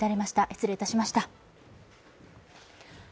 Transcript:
失礼いたしました。